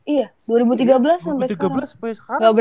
iya dua ribu tiga belas sampai sekarang